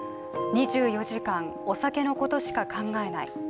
２４時間お酒のことしか考えない。